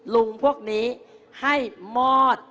พวกนี้ให้มอด